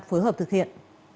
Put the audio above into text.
phối hợp thực hiện